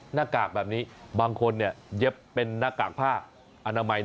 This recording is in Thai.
หน้ากากแบบนี้บางคนเย็บเป็นหน้ากากผ้าอนามัย